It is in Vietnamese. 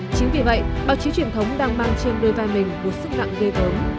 chính vì vậy báo chí truyền thống đang mang trên đôi vai mình một sức nặng gây ớm